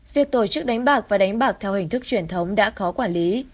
việc tổ chức đánh bạc và đánh bạc theo hình thức truyền thống đã khó quản lý